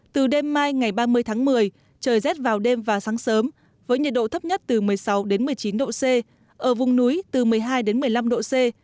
từ đêm mai ngày ba mươi tháng một mươi trời rét vào đêm và sáng sớm với nhiệt độ thấp nhất từ một mươi sáu một mươi chín độ c ở vùng núi từ một mươi hai một mươi năm độ c